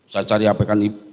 saya cari hape kan ibu